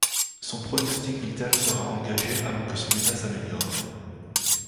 Son pronostic vital sera engagé avant que son état s'améliore.